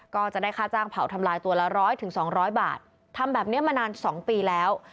ก็จะได้ค่าจ้างเผาทำลายตัวละร้อยถึงสองร้อยบาททำแบบนี้มานาน๒ปีแล้ว